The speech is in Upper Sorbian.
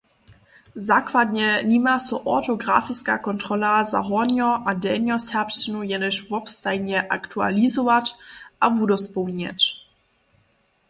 Zakładnje nima so ortografiska kontrola za hornjo- a delnjoserbšćinu jenož wobstajnje aktualizować a wudospołnjeć.